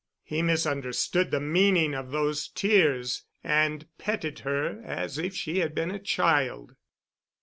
He misunderstood the meaning of those tears and petted her as if she had been a child.